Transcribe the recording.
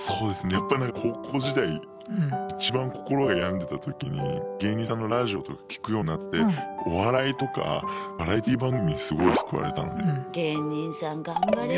やっぱり高校時代一番心が病んでた時に芸人さんのラジオとか聞くようになってお笑いとかバラエティー番組にすごい救われたので。